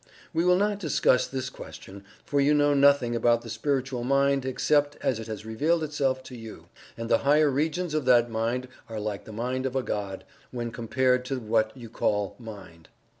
We will not discuss this question, for you know nothing about the Spiritual Mind except as it has revealed itself to you, and the higher regions of that mind are like the mind of a God, when compared to what you call mind.